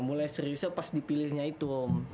mulai seriusnya pas dipilihnya itu om